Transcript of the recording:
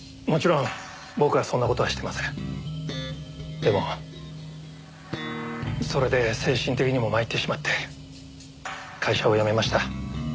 でもそれで精神的にも参ってしまって会社を辞めました。